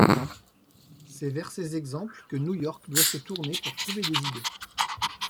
C'est vers ces exemples que New York doit se tourner pour trouver des idées.